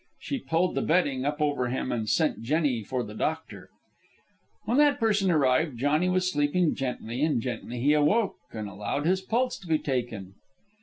She pulled the bedding up over him and sent Jennie for the doctor. When that person arrived, Johnny was sleeping gently, and gently he awoke and allowed his pulse to be taken.